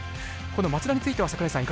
この松田については櫻井さん